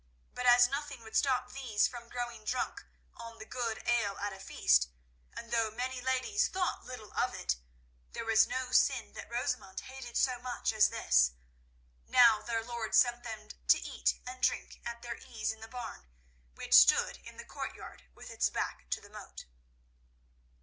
But as nothing would stop these from growing drunken on the good ale at a feast, and though many ladies thought little of it, there was no sin that Rosamund hated so much as this, now their lord sent them to eat and drink at their ease in the barn which stood in the courtyard with its back to the moat.